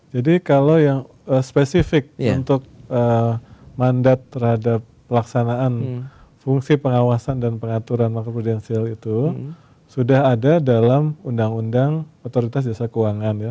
jadi kalau yang spesifik untuk mandat terhadap pelaksanaan fungsi pengawasan dan pengaturan makro prudensial itu sudah ada dalam undang undang otoritas jasa keuangan ya